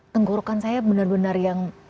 tenggorokan saya benar benar yang